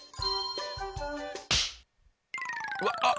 うわっあっ！